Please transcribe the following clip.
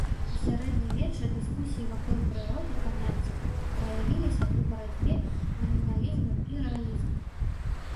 У сярэднявеччы дыскусіі вакол прыроды паняцця праявіліся ў барацьбе наміналізму і рэалізму.